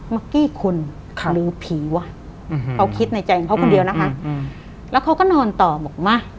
เมื่อกี้คุณหรือผีวะเขาคิดในใจของเขาคนเดียวนะคะแล้วเขาก็นอนต่อบอกมา